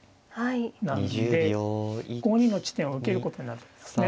なので５二の地点を受けることになるんですね。